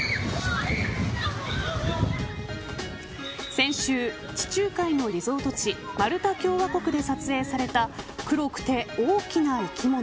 先週、地中海のリゾート地マルタ共和国で撮影された黒くて大きな生き物。